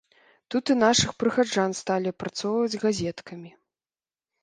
Тут і нашых прыхаджан сталі апрацоўваць газеткамі.